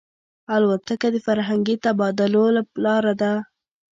الوتکه د فرهنګي تبادلو لاره ده.